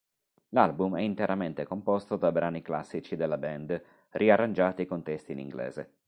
L'album è interamente composto da brani classici della band riarrangiati con testi in inglese.